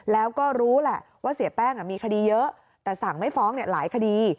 แล้วก็รู้แหละว่าเสียแป้งมีคดีเยอะแต่สั่งไม่ฟ้องหลายคดี